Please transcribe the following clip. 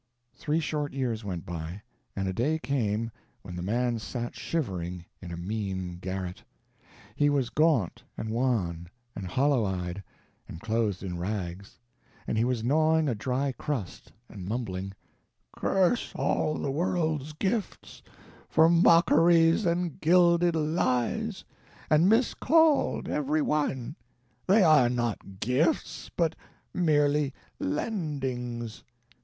Three short years went by, and a day came when the man sat shivering in a mean garret; and he was gaunt and wan and hollow eyed, and clothed in rags; and he was gnawing a dry crust and mumbling: "Curse all the world's gifts, for mockeries and gilded lies! And miscalled, every one. They are not gifts, but merely lendings.